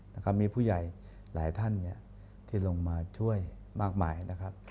นะครับมีผู้ใหญ่หลายท่านเนี่ยที่ลงมาช่วยมากมายนะครับ